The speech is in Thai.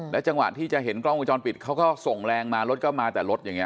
จังหวะที่จะเห็นกล้องวงจรปิดเขาก็ส่งแรงมารถก็มาแต่รถอย่างนี้